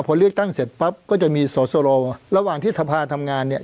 พอเลือกตั้งเสร็จปั๊บก็จะมีสอสรระหว่างที่สภาทำงานเนี่ย